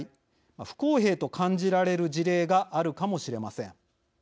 不公平と感じられる事例があるかもしれません。